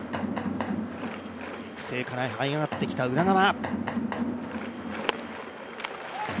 育成からはい上がってきた宇田川。